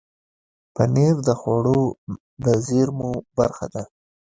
پنېر د خوړو د زېرمو برخه ده.